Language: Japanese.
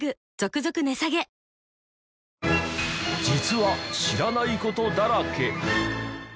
実は知らない事だらけ。